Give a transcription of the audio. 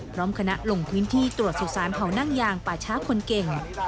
พร้อมคณะลงพื้นที่ตรวจสุสานเผานั่งยางป่าช้าคนเก่ง